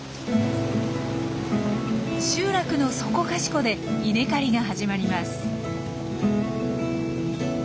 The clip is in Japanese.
集落のそこかしこで稲刈りが始まります。